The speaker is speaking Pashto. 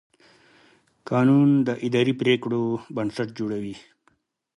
قانون د اداري پرېکړو بنسټ جوړوي.